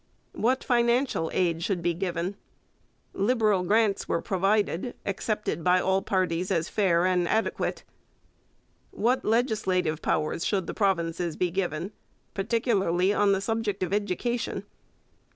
What financial aid should be given? Liberal grants were provided, accepted by all parties as fair and adequate. What legislative powers should the provinces be given, particularly on the subject of education?